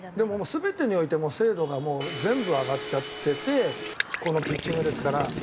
全てにおいて精度が全部上がっちゃっててこのピッチングですから。